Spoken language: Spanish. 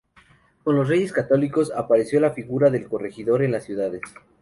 Con los Reyes Católicos, apareció la figura del corregidor en las ciudades.